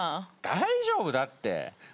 大丈夫だって。